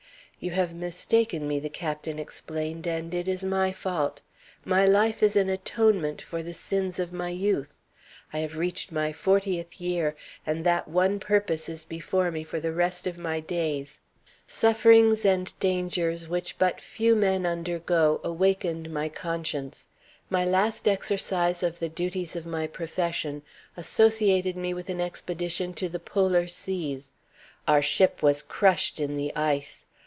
"You have mistaken me," the Captain explained; "and it is my fault. My life is an atonement for the sins of my youth. I have reached my fortieth year and that one purpose is before me for the rest of my days. Sufferings and dangers which but few men undergo awakened my conscience. My last exercise of the duties of my profession associated me with an expedition to the Polar Seas. Our ship was crushed in the ice.